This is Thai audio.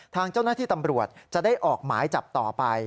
ทางเจ้าหน้าที่ตำรวจจะได้ออกหมายจับต่อไป